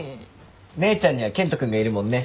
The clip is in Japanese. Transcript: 姉ちゃんには健人君がいるもんね。